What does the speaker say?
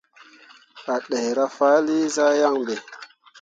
A ɗeera faali zah yaŋ ɓe.